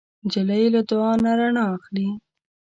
نجلۍ له دعا نه رڼا اخلي.